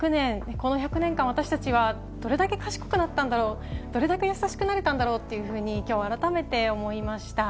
この１００年間、私たちはどれだけ賢くなったんだろう、どれだけ優しくなれたんだろうというふうに、きょう改めて思いました。